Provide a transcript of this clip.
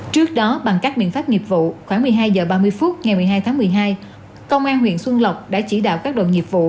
trước đó bằng các biện pháp nghiệp vụ khoảng một mươi hai h ba mươi phút ngày một mươi hai tháng một mươi hai công an huyện xuân lộc đã chỉ đạo các đội nghiệp vụ